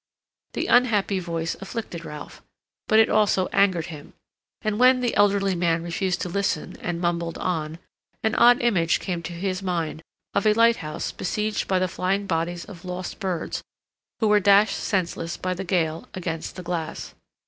The unhappy voice afflicted Ralph, but it also angered him. And when the elderly man refused to listen and mumbled on, an odd image came to his mind of a lighthouse besieged by the flying bodies of lost birds, who were dashed senseless, by the gale, against the glass.